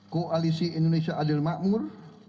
koalisi indonesia adil makmur